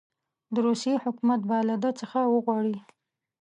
د روسیې حکومت به له ده څخه وغواړي.